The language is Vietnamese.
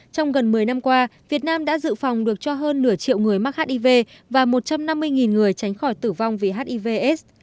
trong gần một mươi năm qua việt nam đã dự phòng được cho hơn nửa triệu người mắc hiv và một trăm năm mươi người tránh khỏi tử vong vì hivs